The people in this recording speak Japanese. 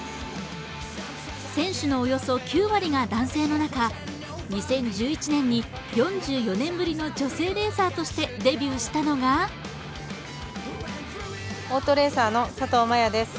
選手のおよそ９割が男性の中、２０１１年に４４年ぶりの女性レーサーとしてデビューしたのがオートレーサーの佐藤摩弥です。